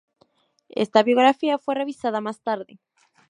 Esta biografía fue revisada más tarde.